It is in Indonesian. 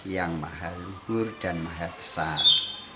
yang mahal bur dan mahal besar